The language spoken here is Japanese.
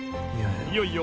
［いよいよ］